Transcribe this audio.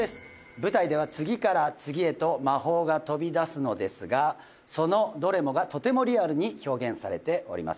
舞台では次から次へと魔法が飛び出すのですがそのどれもがとてもリアルに表現されております